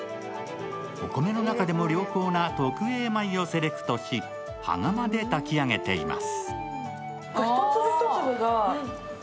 お米の中でも良好な特Ａ米をセレクトし羽釜で炊き上げています。